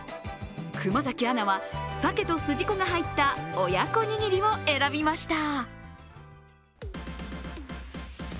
熊崎アナはサケと筋子が入った親子にぎりを選びました。